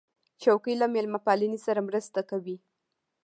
چوکۍ له میلمهپالۍ سره مرسته کوي.